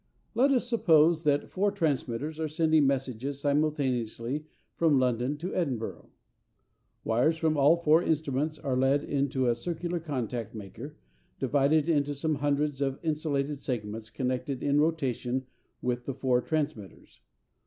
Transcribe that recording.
Let us suppose that four transmitters are sending messages simultaneously from London to Edinburgh. Wires from all four instruments are led into a circular contact maker, divided into some hundreds of insulated segments connected in rotation with the four transmitters.